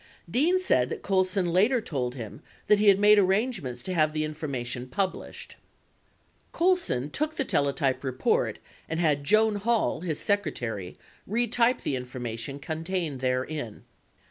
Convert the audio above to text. Dean said that Colson later told him that he had made arrangements to have the information published. 28 Colson took the teletype report and had Joan Hall, his secretary, retype the information contained therein.